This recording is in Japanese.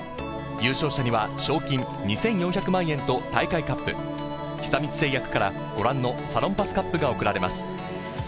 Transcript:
優勝者には賞金２４００万円と大会カップ、久光製薬からご覧のサロンパスカップが贈られます。